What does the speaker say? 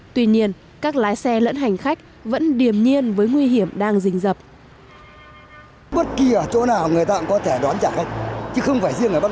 tuy nhiên các lái xe lẫn hành khách vẫn điềm nhiên với nguy hiểm đang dình dập